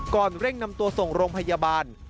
เร่งนำตัวส่งโรงพยาบาล